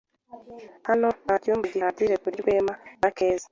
Hano nta cyumba gihagije kuri Rwema na Keza.